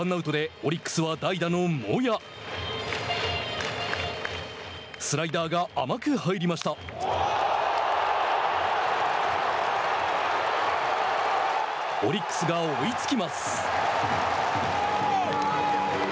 オリックスが追いつきます。